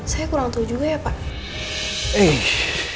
saya kurang tahu juga ya pak